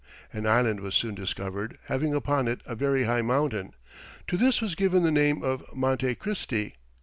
An island was soon discovered, having upon it a very high mountain; to this was given the name of Monte Christi.